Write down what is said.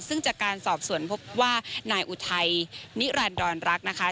ซึ่งจากการสอบสวนพบว่านายอุทัยนิรันดรรักนะคะ